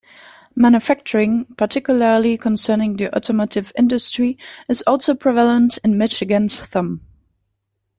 Manufacturing - particularly concerning the Automotive Industry - is also prevalent in Michigan's Thumb.